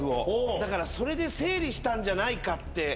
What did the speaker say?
だからそれで整理したんじゃないかって。